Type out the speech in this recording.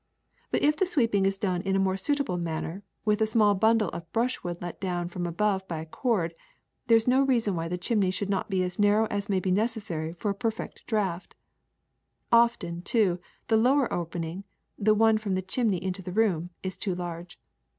But if the sweeping is done in a more suitable manner with a small bundle of brushwood let down from above by a cord, there is no reason why the chimney should not be as narrow as may be necessary for a perfect draft. ^' Often, too, the lower opening, the one from the chimney into the room, is too large.